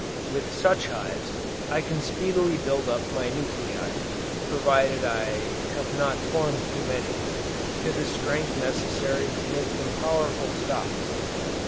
With such hives, I can speedily build up my nuclei, (provided I have not formed too many,) to the strength necessary to make them powerful stocks.